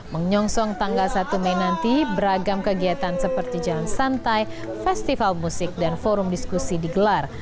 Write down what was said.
menyongsong tanggal satu mei nanti beragam kegiatan seperti jalan santai festival musik dan forum diskusi digelar